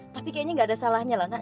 tapi kayaknya nggak ada salahnya lah nak